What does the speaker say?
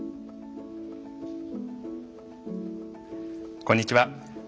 こんにちは。